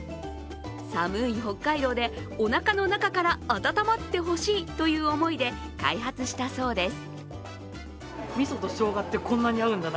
寒い北海道でおなかの中から温まってほしいという思いで開発したそうです